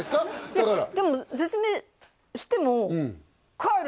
だからいやでも説明しても「帰れ！」